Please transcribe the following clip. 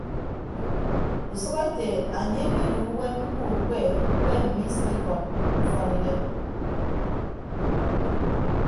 Usʌk ete anie ekedu uwem ke ukpe kpe mme isịp ikọd ifọn idem.